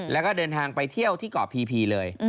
แล้วก็เดินทางไปเที่ยวที่เกาะพีเลย